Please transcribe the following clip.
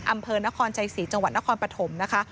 อำเภอนครชัยศรีจังหวัดนครปฐมนะคะ